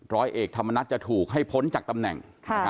ร้อยเอกธรรมนัฐจะถูกให้พ้นจากตำแหน่ง